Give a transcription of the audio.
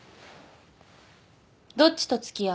どっちと付き合う？